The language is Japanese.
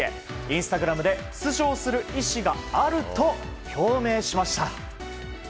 インスタグラムで出場する意思があると表明しました。